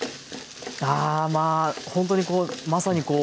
ほんとにこうまさにこう。